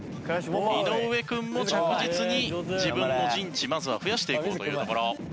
井上君も着実に自分の陣地まずは増やしていこうというところ。